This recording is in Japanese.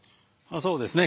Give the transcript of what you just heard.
そうですね。